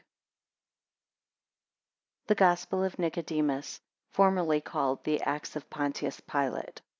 ] THE GOSPEL OF NICODEMUS, FORMERLY CALLED THE ACTS OF PONTIUS PILATE.